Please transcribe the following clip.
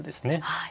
はい。